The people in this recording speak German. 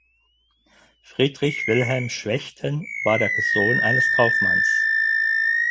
Friedrich Wilhelm Schwechten war der Sohn eines Kaufmanns.